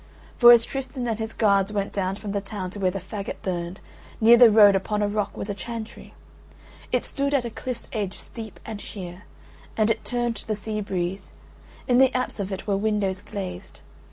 For as Tristan and his guards went down from the town to where the faggot burned, near the road upon a rock was a chantry, it stood at a cliff's edge steep and sheer, and it turned to the sea breeze; in the apse of it were windows glazed.